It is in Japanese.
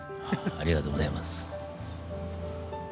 ありがとうございます。